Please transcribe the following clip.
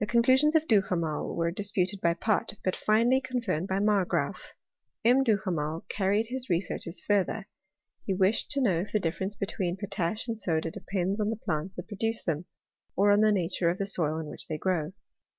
The conclusions of Duhamel were disputed by Pott ; but finally confirmed by Margraaf. M. Duhamel carried his researches further, he wished to know if the difference between potash and soda depends on the plants that produce them, or on the nature of the soil in which they grow.